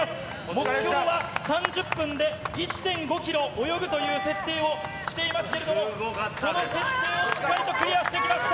目標は３０分で１．５キロ泳ぐという設定をしていますけれども、その設定をしっかりとクリアしてきました。